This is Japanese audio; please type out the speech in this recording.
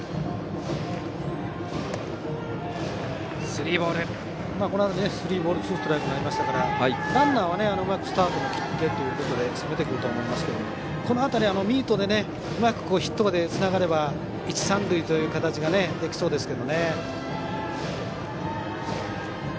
スリーボールツーストライクになりましたからランナーはうまくスタートも切って攻めてくると思いますがこの辺り、ミートでうまくヒットでつながれば一、三塁という形ができそうですが。